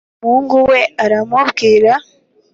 Uwo muhungu we aramubwira